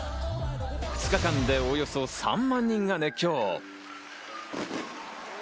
２日間でおよそ３万人が熱狂。